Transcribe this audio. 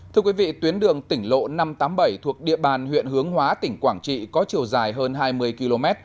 tuyến đường tỉnh lộ năm trăm tám mươi bảy thuộc địa bàn huyện hướng hóa tỉnh quảng trị có chiều dài hơn hai mươi km